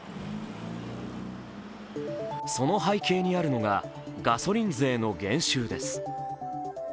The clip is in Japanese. その背景にあるのがガソリン税の減収です。